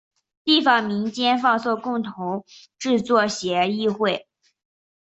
地方民间放送共同制作协议会。